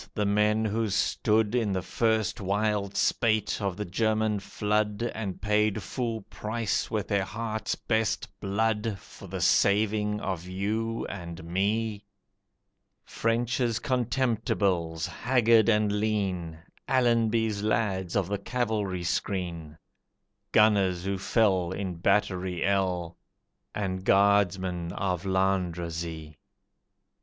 the men who stood In the first wild spate of the German flood, And paid full price with their heart's best blood For the saving of you and me: French's Contemptibles, haggard and lean, Allenby's lads of the cavalry screen, Gunners who fell in Battery L, And Guardsmen of Landrecies?